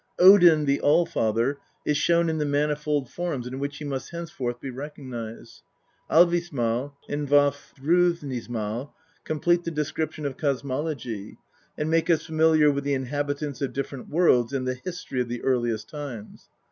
Odin, the All father, is shown in the manifold forms in which he must henceforth be recog nised. Alvissmal and VafJ>ru]>nismdl complete the description of cosmology, and make us familiar with the inhabitants of different worlds and the history of the earliest times.